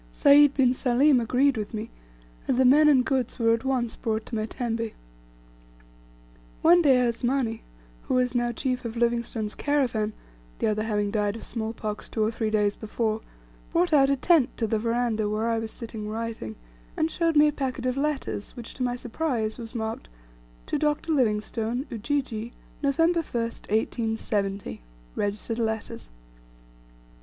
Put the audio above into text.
Sayd bin Salim agreed with me, and the men and goods were at once brought to my tembe. One day Asmani, who was now chief of Livingstone's caravan, the other having died of small pox, two or three days before, brought out a tent to the veranda where, I was sitting writing, and shewed me a packet of letters, which to my surprise was marked: "To Dr. Livingstone, "Ujiji, "November 1st, 1870. "Registered letters."